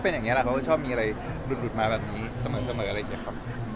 เพราะว่าชอบมีอะไรหลุดมาแบบนี้เสมออะไรแบบนี้ครับ